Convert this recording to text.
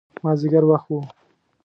مازدیګر وخت و.